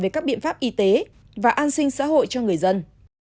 về các biện pháp y tế và an sinh xã hội cho người dân